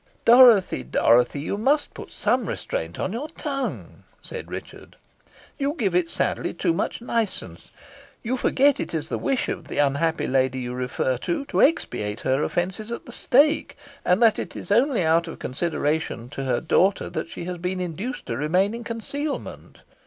"Dorothy, Dorothy, you must put some restraint on your tongue," said Richard; "you give it sadly too much licence. You forget it is the wish of the unhappy lady you refer to, to expiate her offences at the stake, and that it is only out of consideration to her daughter that she has been induced to remain in concealment.